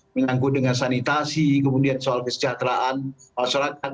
menyangkut dengan sanitasi kemudian soal kesejahteraan masyarakat